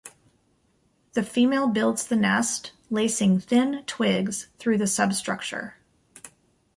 The female builds the nest, lacing thin twigs through the substructure.